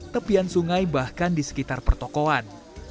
tepian sungai bahkan di sekitar pertokohan